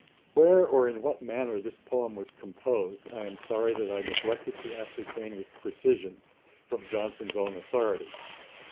Where, or in what manner this poem was composed, I am sorry that I neglected to ascertain with precision, from Johnson's own authority.